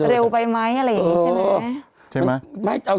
เร็วไปไหมอะไรอย่างนี้ใช่ไหม